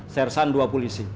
sersan dua pulisi